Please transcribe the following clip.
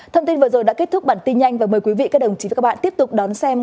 thông tin vừa rồi đã kết thúc bản tin nhanh và mời quý vị các đồng chí và các bạn tiếp tục đón xem